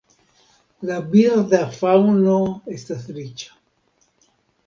La birda faŭno estas riĉa.